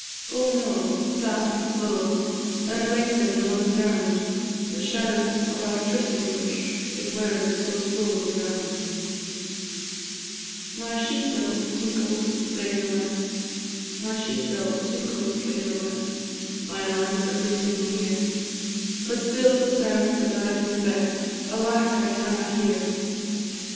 Oh, no! sad and slow, And lengthen'd on the ground; The shadow of our trysting bush It wears so slowly round. My sheep bells tinkle frae the west, My lambs are bleating near; But still the sound that I lo'e best, Alack! I canna hear.